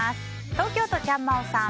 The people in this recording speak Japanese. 東京都の方。